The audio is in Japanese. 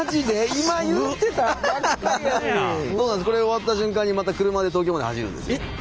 これ終わった瞬間にまた車で東京まで走るんですよ。